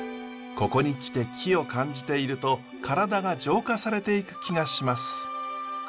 ここに来て木を感じていると体が浄化されていく気がします。